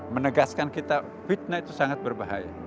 menegaskan kita fitnah itu sangat berbahaya